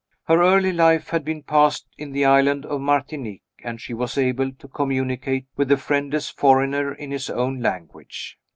Her early life had been passed in the island of Martinique, and she was able to communicate with the friendless foreigner in his own language.